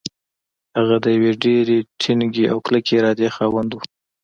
هغه د يوې ډېرې ټينګې او کلکې ارادې خاوند و.